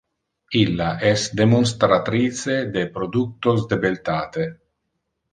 Illa es demonstratrice de productos de beltate.